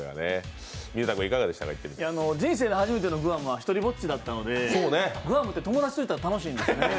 人生で初めてのグアムは独りぼっちだったのでグアムって友達と行ったら楽しいんですね。